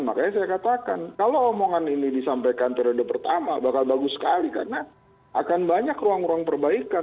makanya saya katakan kalau omongan ini disampaikan periode pertama bakal bagus sekali karena akan banyak ruang ruang perbaikan